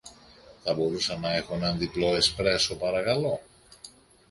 θα μπορούσα να έχω έναν διπλό εσπρέσο, παρακαλώ